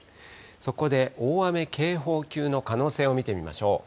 そこで大雨警報級の可能性を見てみましょう。